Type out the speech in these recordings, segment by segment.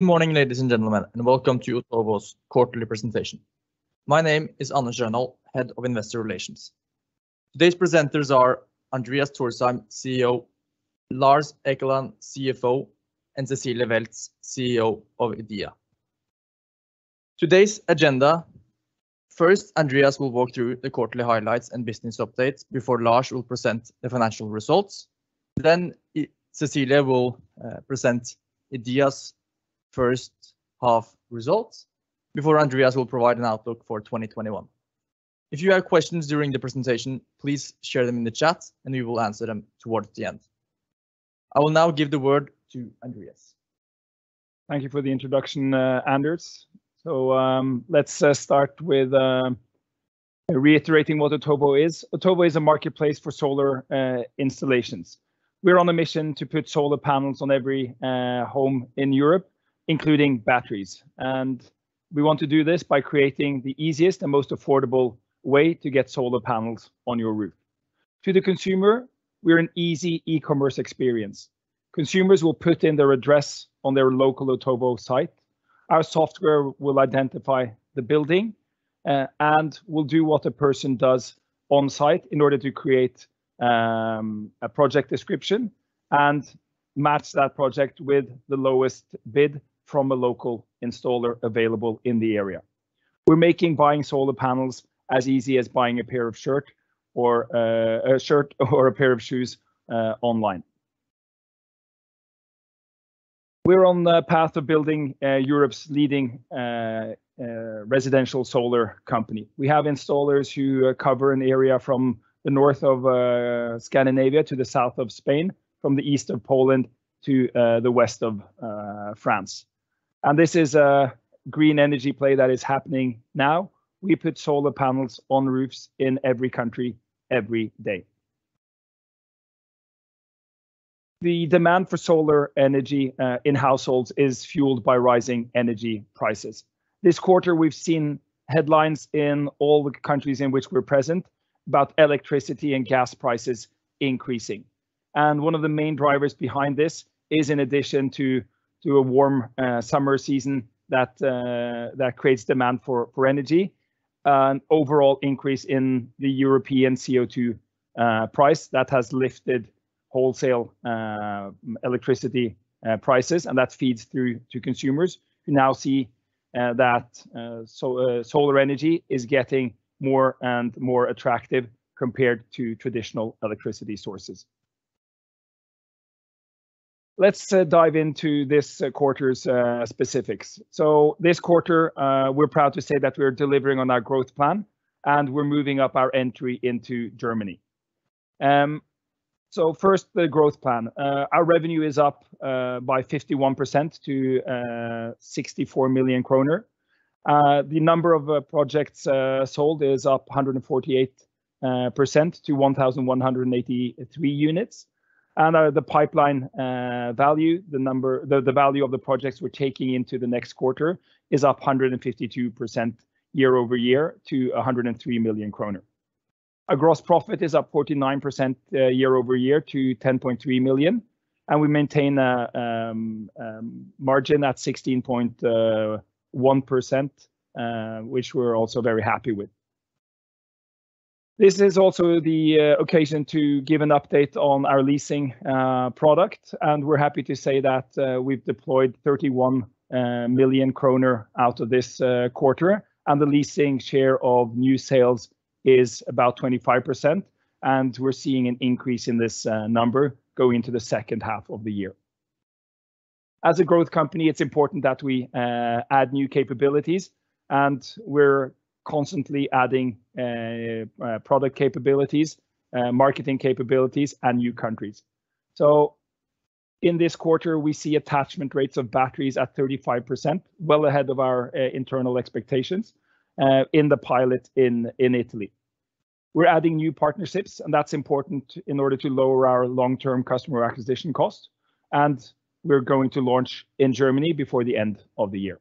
Good morning, ladies and gentlemen, and welcome to Otovo's quarterly presentation. My name is Anders Rønold, Head of Investor Relations. Today's presenters are Andreas Thorsheim, CEO; Lars Ekeland, CFO; and Cecilie Ellila Weltz, CEO of EDEA. Today's agenda, first, Andreas will walk through the quarterly highlights and business updates before Lars will present the financial results. Cecilie Ellila Weltz will present EDEA's H1 results before Andreas will provide an outlook for 2021. If you have questions during the presentation, please share them in the chat and we will answer them towards the end. I will now give the word to Andreas. Thank you for the introduction, Anders Rønold. Let's start with reiterating what Otovo is. Otovo is a marketplace for solar installations. We're on a mission to put solar panels on every home in Europe, including batteries. We want to do this by creating the easiest and most affordable way to get solar panels on your roof. To the consumer, we're an easy e-commerce experience. Consumers will put in their address on their local Otovo site. Our software will identify the building, and will do what a person does on site in order to create a project description and match that project with the lowest bid from a local installer available in the area. We're making buying solar panels as easy as buying a shirt or a pair of shoes online. We're on the path of building Europe's leading residential solar company. We have installers who cover an area from the north of Scandinavia to the south of Spain, from the east of Poland to the west of France. This is a green energy play that is happening now. We put solar panels on roofs in every country, every day. The demand for solar energy in households is fueled by rising energy prices. This quarter, we've seen headlines in all the countries in which we're present about electricity and gas prices increasing. One of the main drivers behind this is, in addition to a warm summer season that creates demand for energy, an overall increase in the European CO2 price that has lifted wholesale electricity prices, and that feeds through to consumers who now see that solar energy is getting more and more attractive compared to traditional electricity sources. Let's dive into this quarter's specifics. This quarter, we're proud to say that we're delivering on our growth plan and we're moving up our entry into Germany. First, the growth plan. Our revenue is up by 51% to 64 million kroner. The number of projects sold is up 148% to 1,183 units. The pipeline value, the value of the projects we're taking into the next quarter, is up 152% year-over-year to 103 million kroner. Our gross profit is up 49% year-over-year to 10.3 million. We maintain a margin at 16.1%, which we're also very happy with. This is also the occasion to give an update on our leasing product, and we're happy to say that we've deployed 31 million kroner out of this quarter, and the leasing share of new sales is about 25%. We're seeing an increase in this number going into the H2 of the year. As a growth company, it's important that we add new capabilities, and we're constantly adding product capabilities, marketing capabilities, and new countries. In this quarter, we see attachment rates of batteries at 35%, well ahead of our internal expectations in the pilot in Italy. We're adding new partnerships, and that's important in order to lower our long-term customer acquisition cost. We're going to launch in Germany before the end of the year.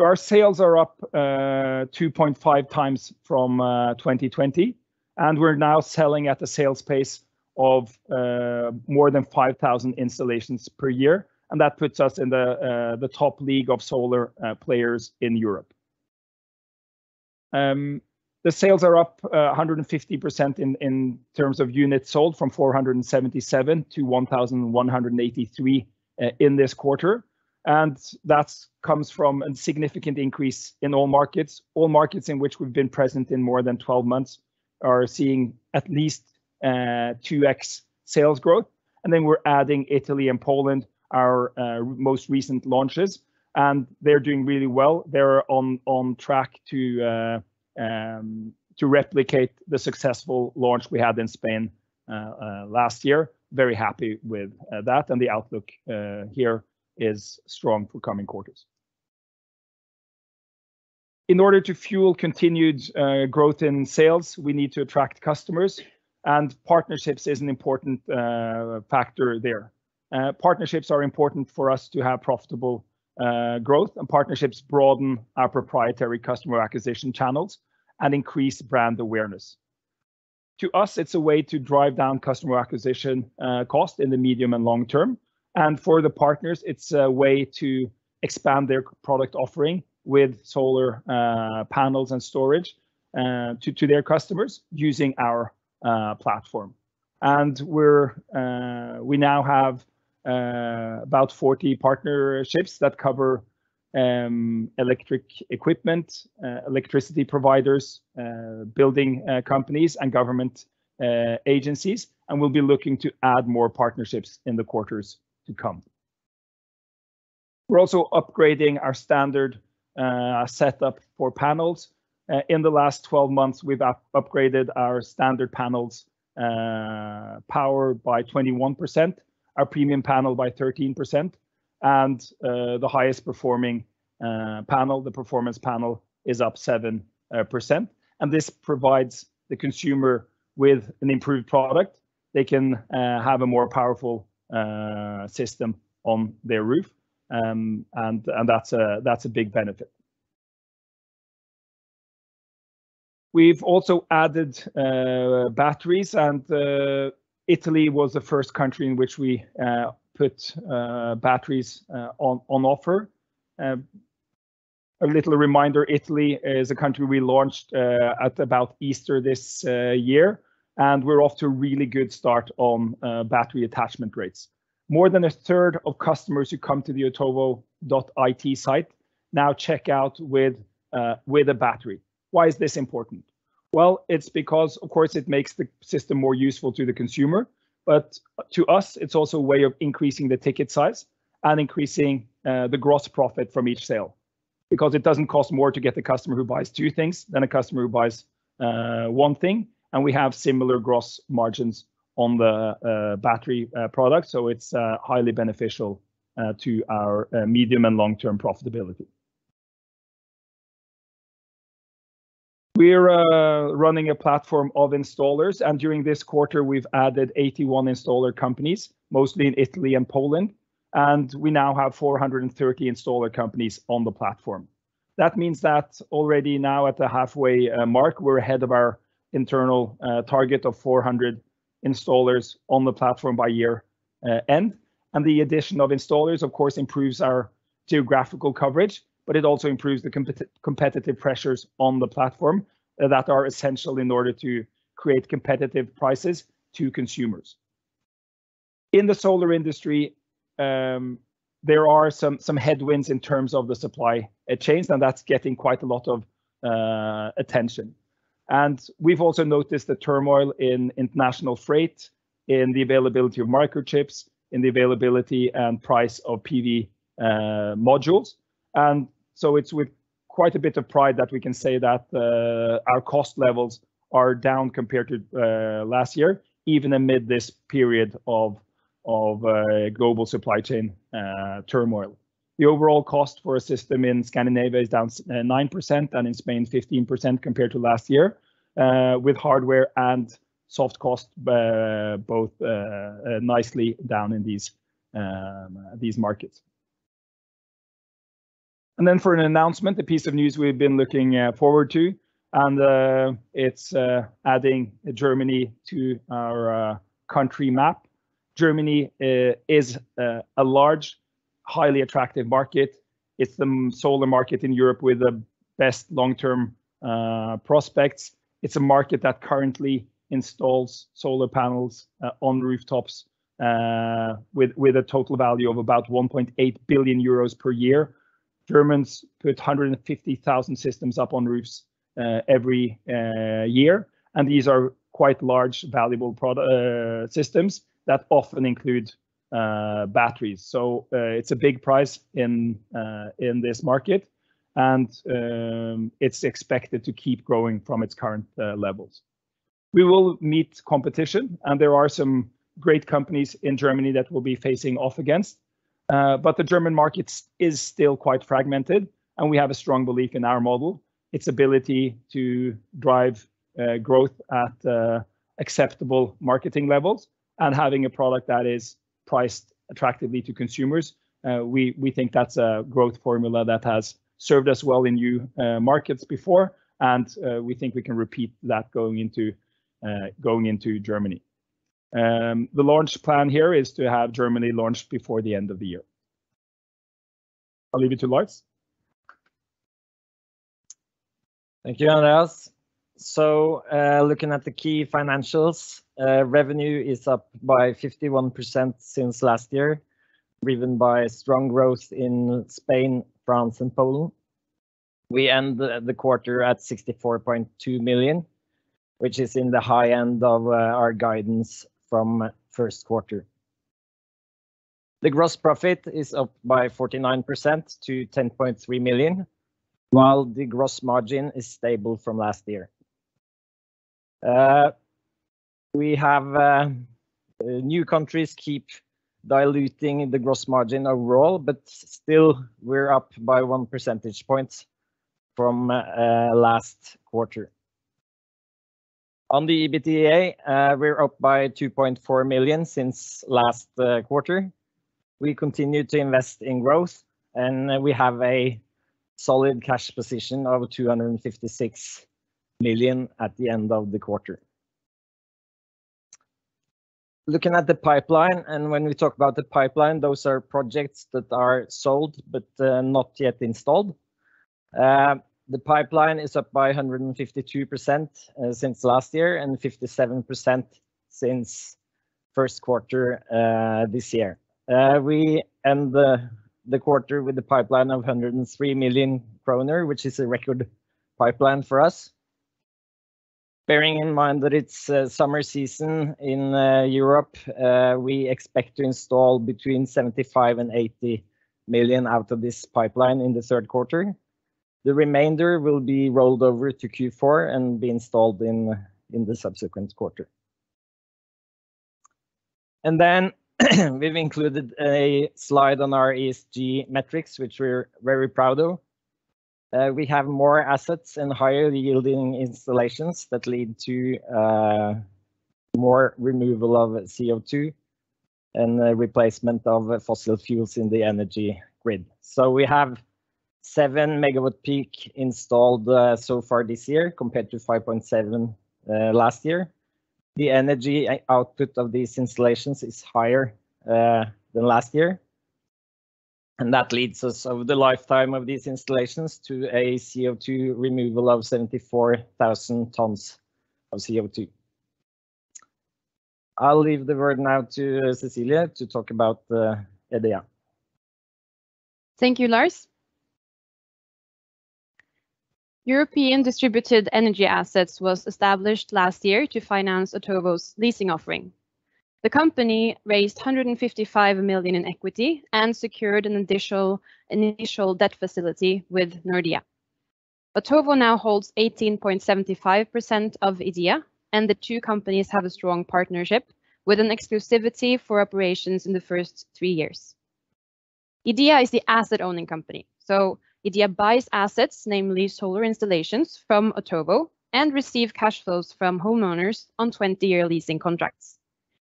Our sales are up 2.5x from 2020, and we're now selling at a sales pace of more than 5,000 installations per year, and that puts us in the top league of solar players in Europe. The sales are up 150% in terms of units sold, from 477-1,183 in this quarter. That comes from a significant increase in all markets. All markets in which we've been present in more than 12 months are seeing at least 2X sales growth. Then we're adding Italy and Poland, our most recent launches, and they're doing really well. They're on track to replicate the successful launch we had in Spain last year. Very happy with that, and the outlook here is strong for coming quarters. In order to fuel continued growth in sales, we need to attract customers, and partnerships is an important factor there. Partnerships are important for us to have profitable growth, and partnerships broaden our proprietary customer acquisition channels and increase brand awareness. To us, it's a way to drive down customer acquisition cost in the medium and long-term. For the partners, it's a way to expand their product offering with solar panels and storage to their customers using our platform. We now have about 40 partnerships that cover electric equipment, electricity providers, building companies, and government agencies. We'll be looking to add more partnerships in the quarters to come. We're also upgrading our standard setup for panels. In the last 12 months, we've upgraded our standard panels power by 21%, our premium panel by 13%, and the highest performing panel, the performance panel, is up 7%. This provides the consumer with an improved product. They can have a more powerful system on their roof, and that's a big benefit. We've also added batteries, and Italy was the first country in which we put batteries on offer. A little reminder, Italy is a country we launched at about Easter this year. We're off to a really good start on battery attachment rates. More than a third of customers who come to the otovo.it site now check out with a battery. Why is this important? It's because, of course, it makes the system more useful to the consumer. To us, it's also a way of increasing the ticket size and increasing the gross profit from each sale. It doesn't cost more to get the customer who buys two things than a customer who buys one thing, and we have similar gross margins on the battery product. It's highly beneficial to our medium and long-term profitability. We're running a platform of installers, and during this quarter we've added 81 installer companies, mostly in Italy and Poland. We now have 430 installer companies on the platform. Means that already now at the halfway mark, we're ahead of our internal target of 400 installers on the platform by year-end. The addition of installers, of course, improves our geographical coverage, but it also improves the competitive pressures on the platform that are essential in order to create competitive prices to consumers. In the solar industry, there are some headwinds in terms of the supply chains, that's getting quite a lot of attention. We've also noticed the turmoil in international freight, in the availability of microchips, in the availability and price of PV modules. It's with quite a bit of pride that we can say that our cost levels are down compared to last year, even amid this period of global supply chain turmoil. The overall cost for a system in Scandinavia is down 9%, and in Spain 15% compared to last year, with hardware and soft costs both nicely down in these markets. For an announcement, the piece of news we've been looking forward to, and it's adding Germany to our country map. Germany is a large, highly attractive market. It's the solar market in Europe with the best long-term prospects. It's a market that currently installs solar panels on rooftops, with a total value of about 1.8 billion euros per year. Germans put 150,000 systems up on roofs every year, and these are quite large, valuable systems that often include batteries. It's a big price in this market, and it's expected to keep growing from its current levels. We will meet competition and there are some great companies in Germany that we'll be facing off against. The German market is still quite fragmented, and we have a strong belief in our model, its ability to drive growth at acceptable marketing levels and having a product that is priced attractively to consumers. We think that's a growth formula that has served us well in new markets before, and we think we can repeat that going into Germany. The launch plan here is to have Germany launched before the end of the year. I'll leave it to Lars. Thank you, Andreas. Looking at the key financials, revenue is up by 51% since last year, driven by strong growth in Spain, France, and Poland. We end the quarter at 64.2 million, which is in the high end of our guidance from Q1. The gross profit is up by 49% to 10.3 million, while the gross margin is stable from last year. We have new countries keep diluting the gross margin overall, but still we're up by one percentage point from last quarter. On the EBITDA, we're up by 2.4 million since last quarter. We continue to invest in growth, we have a solid cash position of 256 million at the end of the quarter. Looking at the pipeline, when we talk about the pipeline, those are projects that are sold but not yet installed. The pipeline is up by 152% since last year and 57% since Q1 this year. We end the quarter with a pipeline of 103 million kroner, which is a record pipeline for us. Bearing in mind that it's summer season in Europe, we expect to install between 75 million and 80 million out of this pipeline in Q3. The remainder will be rolled over to Q4 and be installed in the subsequent quarter. We've included a slide on our ESG metrics, which we're very proud of. We have more assets and higher-yielding installations that lead to more removal of CO2 and the replacement of fossil fuels in the energy grid. We have 7 MW peak installed so far this year, compared to 5.7 MW peak last year. The energy output of these installations is higher than last year. That leads us over the lifetime of these installations to a CO2 removal of 74,000 tons of CO2. I'll leave the word now to Cecilie to talk about EDEA. Thank you, Lars. European Distributed Energy Assets was established last year to finance Otovo's leasing offering. The company raised 155 million in equity and secured an initial debt facility with Nordea. Otovo now holds 18.75% of EDEA, and the two companies have a strong partnership with an exclusivity for operations in the first three years. EDEA is the asset-owning company. EDEA buys assets, namely solar installations, from Otovo and receive cash flows from homeowners on 20-year leasing contracts.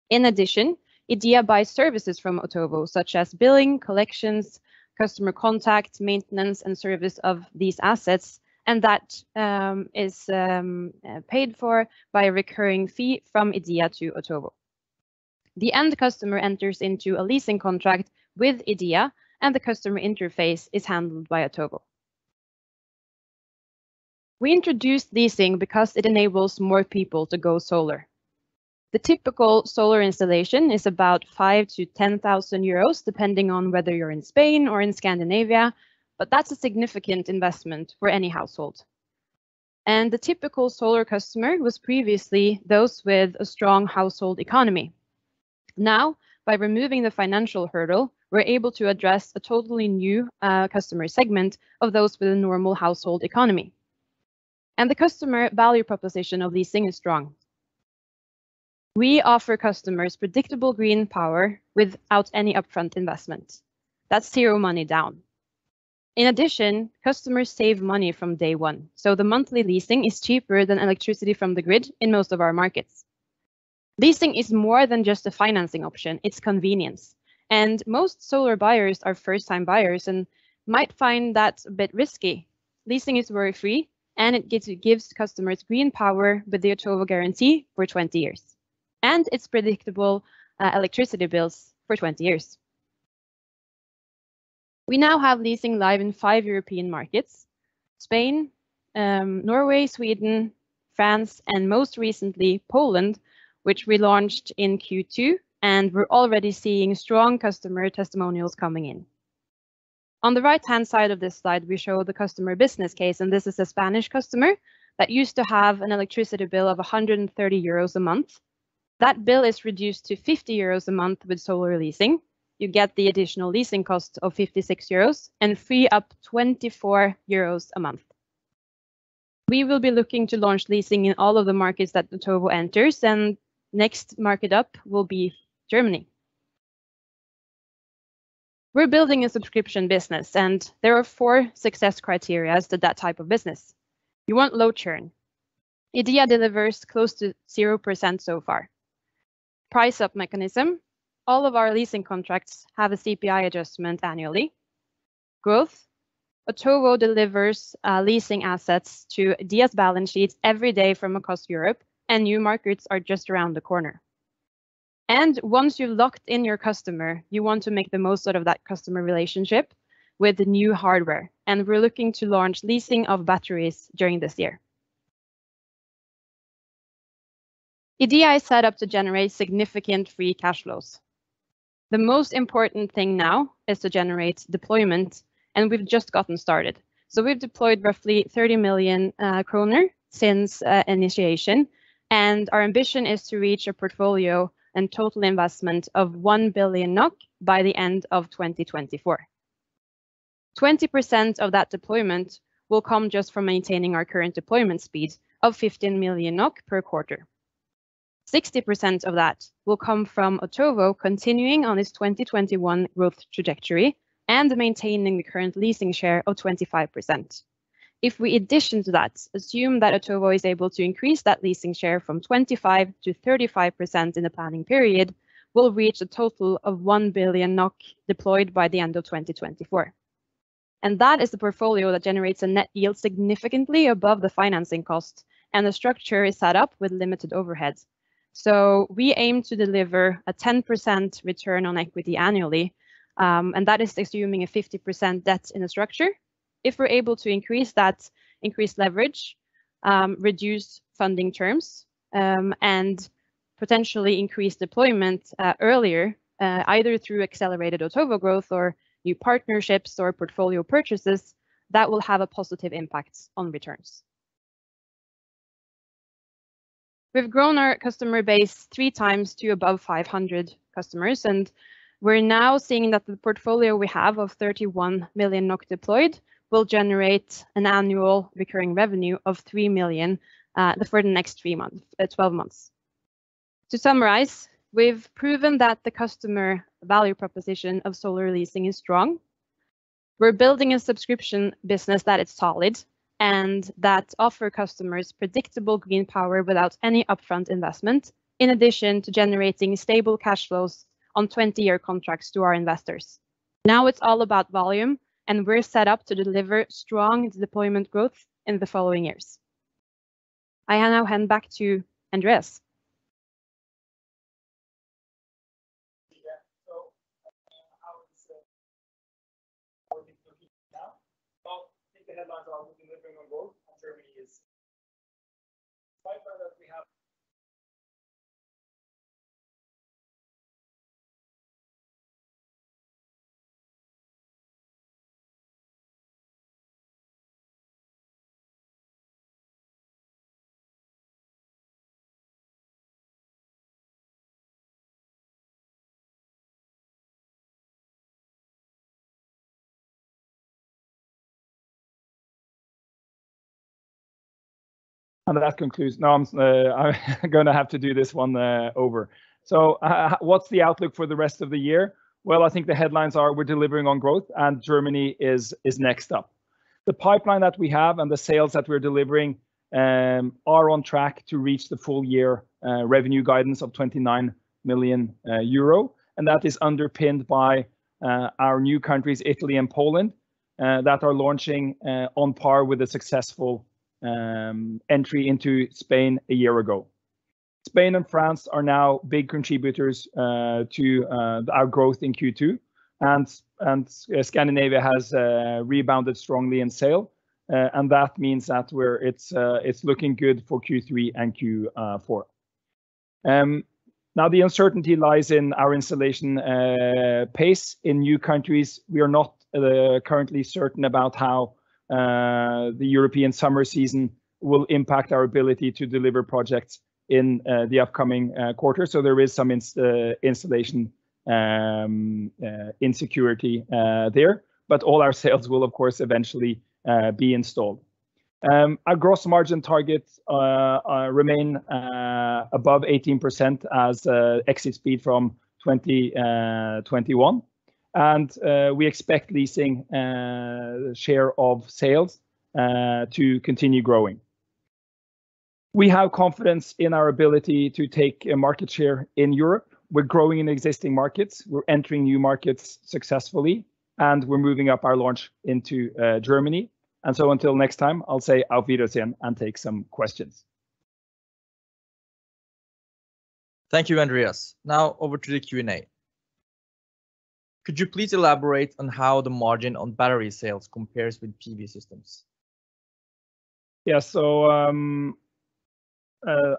In addition, EDEA buys services from Otovo, such as billing, collections, customer contact, maintenance, and service of these assets, and that is paid for by a recurring fee from EDEA to Otovo. The end customer enters into a leasing contract with EDEA, and the customer interface is handled by Otovo. We introduced leasing because it enables more people to go solar. The typical solar installation is about 5,000-10,000 euros, depending on whether you're in Spain or in Scandinavia. That's a significant investment for any household. The typical solar customer was previously those with a strong household economy. Now, by removing the financial hurdle, we're able to address a totally new customer segment of those with a normal household economy. The customer value proposition of leasing is strong. We offer customers predictable green power without any upfront investment. That's zero money down. In addition, customers save money from day one. The monthly leasing is cheaper than electricity from the grid in most of our markets. Leasing is more than just a financing option, it's convenience. Most solar buyers are first-time buyers and might find that a bit risky. Leasing is worry-free, and it gives customers green power with the Otovo guarantee for 20 years, and it's predictable electricity bills for 20 years. We now have leasing live in five European markets, Spain, Norway, Sweden, France, and most recently, Poland, which we launched in Q2, and we're already seeing strong customer testimonials coming in. On the right-hand side of this slide, we show the customer business case, and this is a Spanish customer that used to have an electricity bill of 130 euros a month. That bill is reduced to 50 euros a month with solar leasing. You get the additional leasing cost of 56 euros and free up 24 euros a month. We will be looking to launch leasing in all of the markets that Otovo enters, and next market up will be Germany. We're building a subscription business. There are four success criteria to that type of business. You want low churn. EDEA delivers close to 0% so far. Price up mechanism. All of our leasing contracts have a CPI adjustment annually. Growth. Otovo delivers leasing assets to EDEA's balance sheet every day from across Europe. New markets are just around the corner. Once you locked in your customer, you want to make the most out of that customer relationship with new hardware, and we're looking to launch leasing of batteries during this year. EDEA is set up to generate significant free cash flows. The most important thing now is to generate deployment, and we've just gotten started. We've deployed roughly 30 million kroner since initiation, and our ambition is to reach a portfolio and total investment of 1 billion NOK by the end of 2024. 20% of that deployment will come just from maintaining our current deployment speed of 15 million NOK per quarter. 60% of that will come from Otovo continuing on its 2021 growth trajectory and maintaining the current leasing share of 25%. If we addition to that assume that Otovo is able to increase that leasing share from 25%-35% in the planning period, we'll reach a total of 1 billion NOK deployed by the end of 2024. That is the portfolio that generates a net yield significantly above the financing cost, and the structure is set up with limited overheads. We aim to deliver a 10% return on equity annually, and that is assuming a 50% debt in the structure. If we're able to increase that increased leverage, reduce funding terms, and potentially increase deployment earlier, either through accelerated Otovo growth or new partnerships or portfolio purchases, that will have a positive impact on returns. We've grown our customer base three times to above 500 customers, and we're now seeing that the portfolio we have of 31 million NOK deployed will generate an annual recurring revenue of 3 million for the next 12 months. To summarize, we've proven that the customer value proposition of solar leasing is strong. We're building a subscription business that is solid and that offers customers predictable green power without any upfront investment, in addition to generating stable cash flows on 20-year contracts to our investors. Now it's all about volume, and we're set up to deliver strong deployment growth in the following years. I now hand back to Andreas. What's the outlook for the rest of the year? Well, I think the headlines are we're delivering on growth, and Germany is next up. The pipeline that we have and the sales that we're delivering are on track to reach the full-year revenue guidance of 29 million euro. That is underpinned by our new countries, Italy and Poland, that are launching on par with a successful entry into Spain a year ago. Spain and France are now big contributors to our growth in Q2. Scandinavia has rebounded strongly in sale. That means that it's looking good for Q3 and Q4. The uncertainty lies in our installation pace in new countries. We are not currently certain about how the European summer season will impact our ability to deliver projects in the upcoming quarter. There is some installation insecurity there, but all our sales will of course eventually be installed. Our gross margin targets remain above 18% as exit speed from 2021. We expect leasing share of sales to continue growing. We have confidence in our ability to take a market share in Europe. We are growing in existing markets. We are entering new markets successfully, and we are moving up our launch into Germany. Until next time, I will say "Auf Wiedersehen" and take some questions. Thank you, Andreas. Now over to the Q&A. Could you please elaborate on how the margin on battery sales compares with PV systems? Yeah.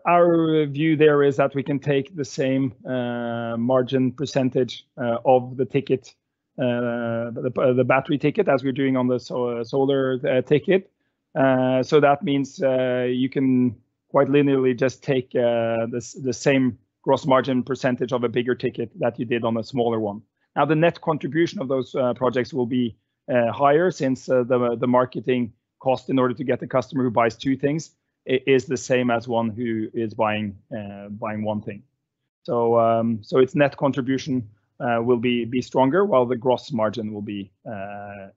Our view there is that we can take the same margin percentage of the battery ticket as we're doing on the solar ticket. That means you can quite linearly just take the same gross margin percentage of a bigger ticket that you did on a smaller one. Now, the net contribution of those projects will be higher since the marketing cost in order to get the customer who buys two things is the same as one who is buying one thing. Its net contribution will be stronger while the gross margin will be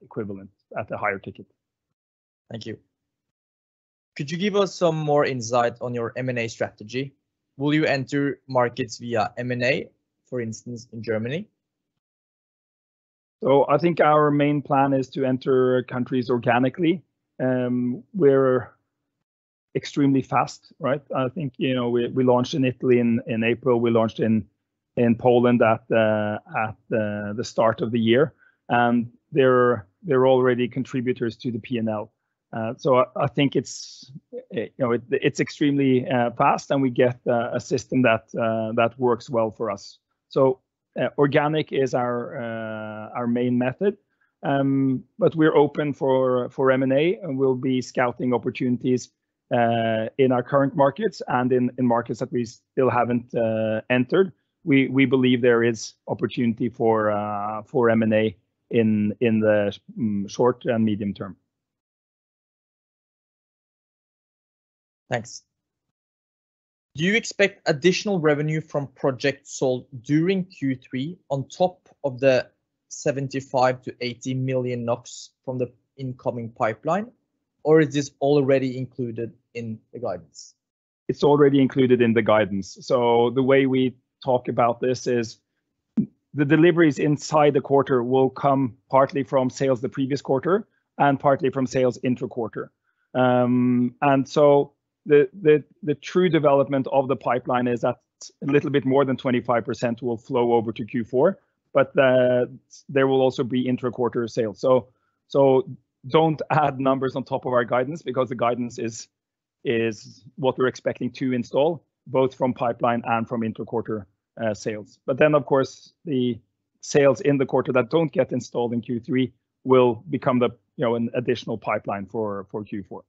equivalent at the higher ticket. Thank you. Could you give us some more insight on your M&A strategy? Will you enter markets via M&A, for instance, in Germany? I think our main plan is to enter countries organically. We're extremely fast, right? I think we launched in Italy in April. We launched in Poland at the start of the year. They're already contributors to the P&L. I think it's extremely fast, and we get a system that works well for us. Organic is our main method. We're open for M&A, and we'll be scouting opportunities, in our current markets and in markets that we still haven't entered. We believe there is opportunity for M&A in the short and medium term. Thanks. Do you expect additional revenue from projects sold during Q3 on top of the 75 million-80 million NOK from the incoming pipeline, or is this already included in the guidance? It's already included in the guidance. The way we talk about this is the deliveries inside the quarter will come partly from sales the previous quarter and partly from sales intra-quarter. The true development of the pipeline is that a little bit more than 25% will flow over to Q4, but there will also be intra-quarter sales. Don't add numbers on top of our guidance because the guidance is what we're expecting to install, both from pipeline and from intra-quarter sales. Of course, the sales in the quarter that don't get installed in Q3 will become an additional pipeline for Q4.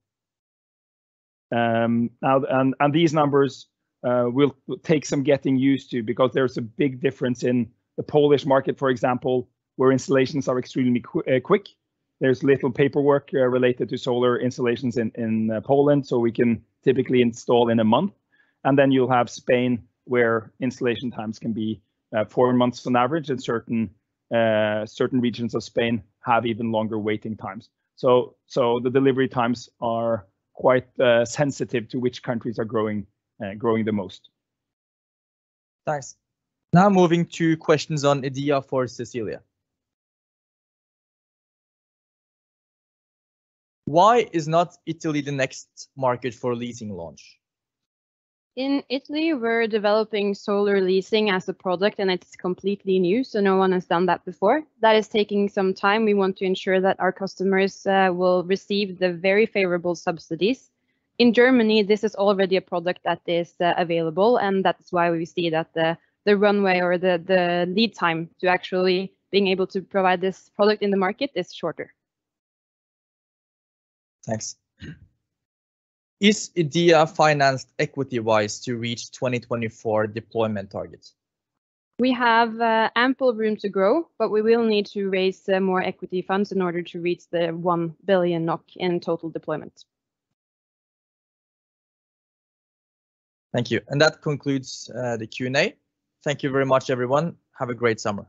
These numbers will take some getting used to because there's a big difference in the Polish market, for example, where installations are extremely quick. There's little paperwork related to solar installations in Poland, we can typically install in a month. You'll have Spain, where installation times can be four months on average, and certain regions of Spain have even longer waiting times. The delivery times are quite sensitive to which countries are growing the most. Thanks. Moving to questions on EDEA for Cecilie Ellila Weltz. Why is not Italy the next market for leasing launch? In Italy, we're developing solar leasing as a product, and it's completely new. No one has done that before. That is taking some time. We want to ensure that our customers will receive the very favorable subsidies. In Germany, this is already a product that is available, and that's why we see that the runway or the lead time to actually being able to provide this product in the market is shorter. Thanks. Is EDEA financed equity-wise to reach 2024 deployment targets? We have ample room to grow, but we will need to raise more equity funds in order to reach the 1 billion NOK in total deployment. Thank you. That concludes the Q&A. Thank you very much, everyone. Have a great summer.